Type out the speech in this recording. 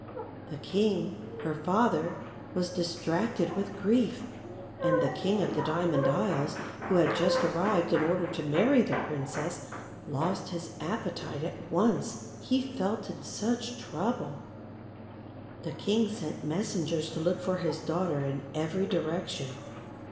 The King, her father, was distracted with grief, and the King of the Diamond Isles, who had just arrived in order to marr\ the Princess, lost his appetite at once, he felt in such trouble. The King sent messengers to look for his daughter in every direction.